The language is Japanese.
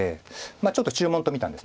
ちょっと注文と見たんです。